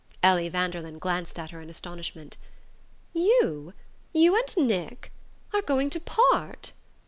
Ellie Vanderlyn glanced at her in astonishment. "You? You and Nick are going to part?"